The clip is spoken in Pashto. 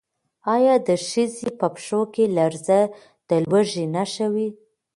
ایا د ښځې په پښو کې لړزه د لوږې نښه وه؟